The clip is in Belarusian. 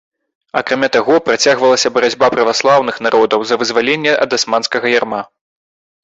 Акрамя таго, працягвалася барацьба праваслаўных народаў за вызваленне ад асманскага ярма.